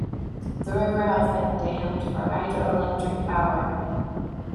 The river has been dammed for hydroelectric power.